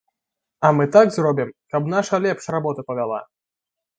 А мы так зробім, каб наша лепш работу павяла.